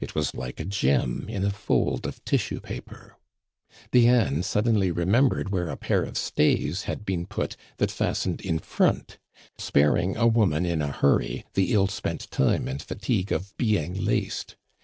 It was like a gem in a fold of tissue paper. Diane suddenly remembered where a pair of stays had been put that fastened in front, sparing a woman in a hurry the ill spent time and fatigue of being laced.